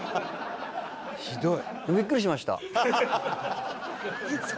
ひどい！